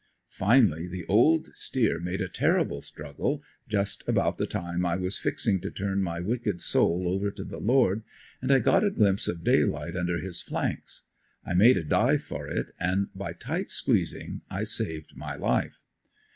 Finally the old steer made a terrible struggle, just about the time I was fixing to turn my wicked soul over to the Lord, and I got a glimpse of daylight under his flanks. I made a dive for it and by tight squeezing I saved my life.